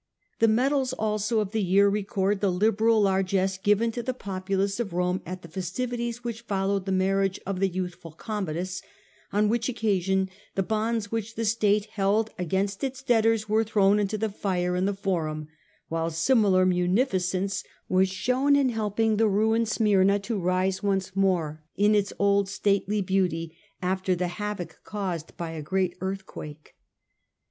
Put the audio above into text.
The medals also of the year record the liberal largess given to the populace of Rome at the festivities which followed the marriage of the youthful Commodus, on which occasion the bonds which the state held against its debtors were thrown into the fire in the forum, while similar munificence was shown in helping the ruined Smyrna to rise once more in its old stately beauty after the havoc caused by a great earthquake.